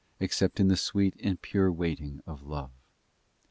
101 except in the sweet and pure waiting of love.